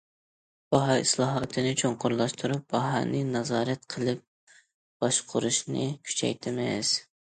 باھا ئىسلاھاتىنى چوڭقۇرلاشتۇرۇپ، باھانى نازارەت قىلىپ باشقۇرۇشنى كۈچەيتىمىز.